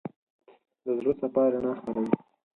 د زړه صفا رڼا خپروي.